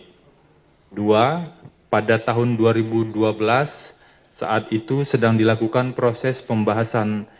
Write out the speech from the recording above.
kedua pada tahun dua ribu dua belas saat itu sedang dilakukan proses pembahasan